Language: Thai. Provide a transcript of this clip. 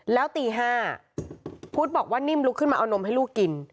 แล้วตี๕พุทธบอกว่านิ่มลุกขึ้นมาเอานมให้ลูกกิน